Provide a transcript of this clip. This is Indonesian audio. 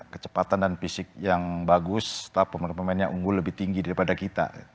kecepatan dan fisik yang bagus tetap pemain pemainnya unggul lebih tinggi daripada kita